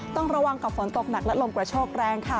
ต้องระวังกับฝนตกหนักและลมกระโชกแรงค่ะ